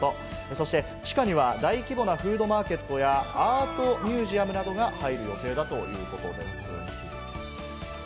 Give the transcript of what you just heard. そして地下には大規模なフードマーケットやアートミュージアムなどが入る予定だということです。